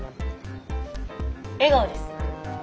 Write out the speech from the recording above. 笑顔です。